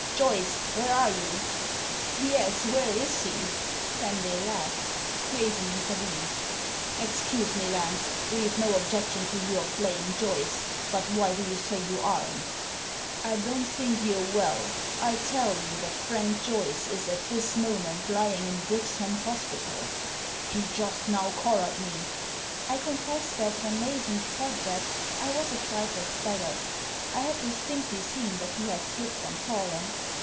Joyce, where are you ?"" Yes, where is he ?" Then they laughed. Mason intervened. Digitized by VjOOQIC i6o tHE SEEN AND THE UNSEEN "Excuse me, Lance; we've no objection to yaur playing Joyce, but why do you say you aren't ?"" I don't think you're well. I tell you that Frank Joyce is at this moment lying in Brixham hospital" " He just now collared me," I confess that when Mason said diat I was a trifle staggered. I had distinctly seen that he had slipped and fallen.